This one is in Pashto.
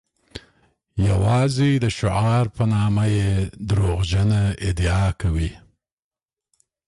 یوازې د شعار په نامه یې دروغجنه ادعا کوي.